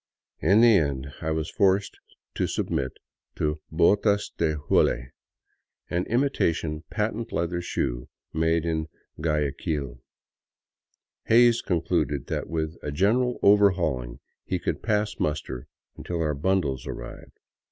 In the end I was forced to submit to botas de hule, an imitation patent leather shoe made in Guayaquil. Hays concluded that with a general overhauling he could pass muster until our bundles arrived.